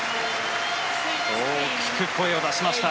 大きく声を出しました。